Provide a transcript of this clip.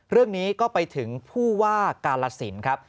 เรื่องนี้ก็ไปถึงผู้ว่ากาลสินครับ